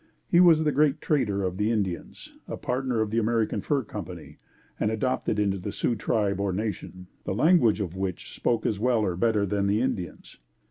He was the "Great Trader" of the Indians, a partner of the American Fur Co., and adopted into the Sioux Tribe or nation, the language of which spoke as well or better than the Indians.